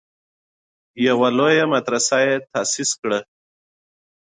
یوه لویه مدرسه یې تاسیس کړه.